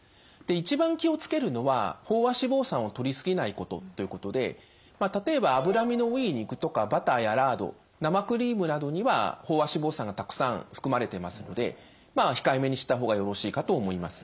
一番気をつけるのは飽和脂肪酸をとりすぎないことということで例えば脂身の多い肉とかバターやラード生クリームなどには飽和脂肪酸がたくさん含まれてますので控えめにした方がよろしいかと思います。